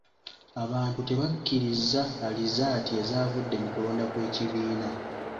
Abantu tebakkiriza alizaati ezavudde mu kulonda kw'ekibiina.